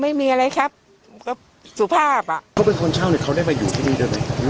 ไม่มีอะไรครับก็สุภาพอ่ะเขาเป็นคนเช่าเนี่ยเขาได้มาอยู่ที่นี่ได้ไหม